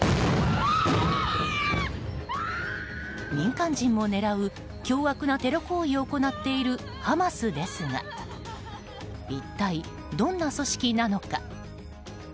民間人も狙う、凶悪なテロ行為を行っているハマスですが一体どんな組織なのか？